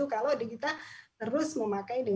kalau kita terus memakai